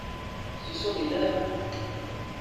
Ce sont les leurs.